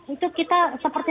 itu kita seperti